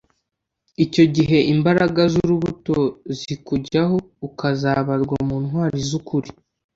icyo gihe imbaraga z'urubuto zikujyaho ukazabarwa mu ntwari z'ukuri.